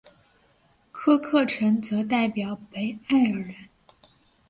科克城则代表北爱尔兰。